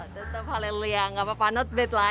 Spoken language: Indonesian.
tetap haleluya gak apa apa not bad lah